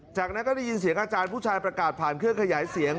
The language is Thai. จากนั้นก็ได้ยินเสียงอาจารย์ผู้ชายประกาศผ่านเครื่องขยายเสียง